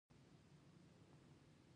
دواړه لاسونه به مې پورته کړل.